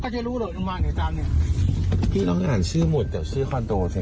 ก็จะรู้เลยว่าอย่างงี้จังเนี้ยพี่ต้องอ่านชื่อหมดแต่ว่าชื่อคอนโดสิค่ะ